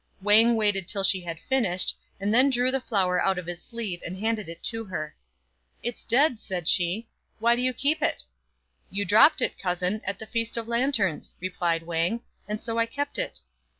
Wang waited till she had finished, and then drew the flower out of his sleeve and handed it to her. "It's dead," said she; "why do you keep it ?"" You dropped it, cousin, at the Feast of Lanterns," replied Wang, "and so I kept it."